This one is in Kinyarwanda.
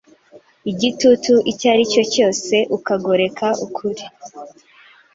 igitutu icyo ari cyo cyose ukagoreka ukuri.